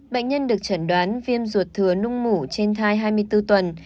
bệnh nhân được chẩn đoán viêm ruột thừa nung mủ trên thai hai mươi bốn tuần